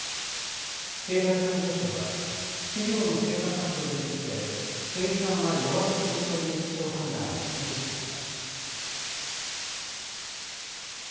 経済産業省は企業の生産活動について生産は弱含みという基調判断を維持しました。